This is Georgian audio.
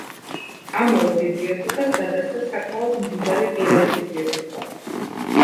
ამავე ბიბლიოთეკას გადასცა საკმაოდ მდიდარი პირადი ბიბლიოთეკა.